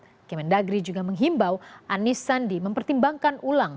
kementerian negeri juga menghimbau anies sandi mempertimbangkan ulang